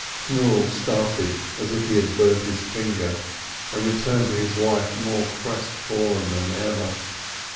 Shmuel started as if he had burnt his finger, and returned to his wife more crestfallen than ever.